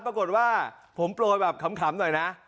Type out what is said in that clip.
ปรากฏว่าผมโปรยแบบขำหน่อยนะ